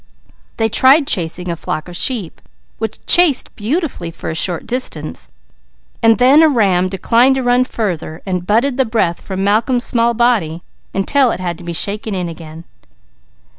They tried chasing a flock of sheep, which chased beautifully for a short distance, then a ram declined to run farther and butted the breath from Malcolm's small body until it had to be shaken in again.